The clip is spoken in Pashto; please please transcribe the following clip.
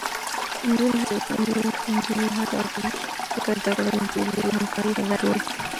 نجونې هڅه وکړي، ځکه زده کړه د ټولنیزې همکارۍ فضا جوړوي.